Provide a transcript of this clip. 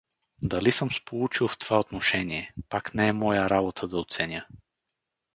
Дали съм сполучил в това отношение — пак не е моя работа да оценя.